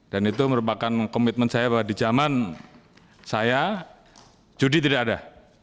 dan itu merupakan komitmen saya bahwa di zaman saya judi tidak ada